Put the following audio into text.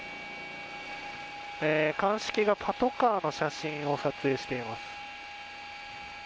鑑識がパトカーの写真を撮影しています。